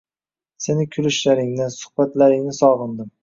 Seni kulishlaringni, suhbatlaringni sog‘indim.